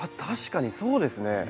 確かにそうですね